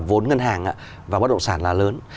vốn ngân hàng và bất động sản là lớn